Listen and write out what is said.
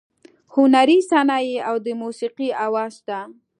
هنري صنایع او د موسیقۍ اواز شته.